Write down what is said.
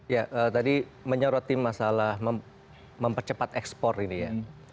ya tadi menyoroti masalah mempercepat ekspor ini ya